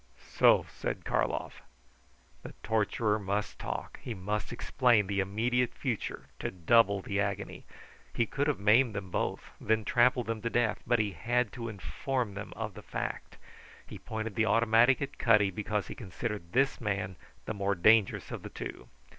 "So!" said Karlov. The torturer must talk; he must explain the immediate future to double the agony. He could have maimed them both, then trampled them to death, but he had to inform them of the fact. He pointed the automatic at Cutty because he considered this man the more dangerous of the two.